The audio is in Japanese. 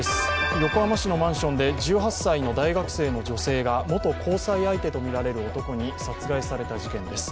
横浜市のマンションで１８歳の大学生の女性が元交際相手とみられる男に殺害された事件です。